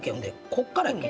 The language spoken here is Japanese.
こっからやっけ？